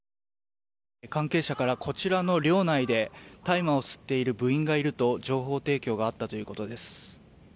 関係者から、こちらの寮内で大麻を吸っている部員がいると情報提供があったということです。